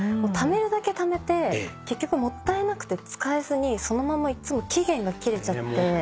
ためるだけためて結局もったいなくて使えずにそのままいつも期限が切れちゃって。